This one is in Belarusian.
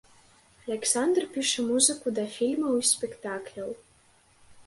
Аляксандр піша музыку да фільмаў і спектакляў.